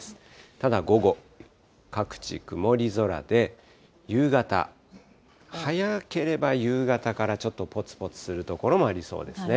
ただ午後、各地、曇り空で、夕方、早ければ夕方からちょっとぽつぽつする所もありそうですね。